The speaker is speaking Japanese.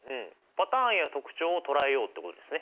パターンや特徴を捉えようってことですね？